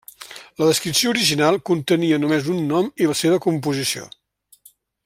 La descripció original contenia només un nom i la seva composició.